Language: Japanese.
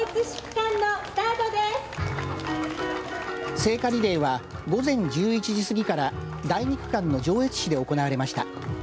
聖火リレーは午前１１時過ぎから第２区間の上越市で行われました。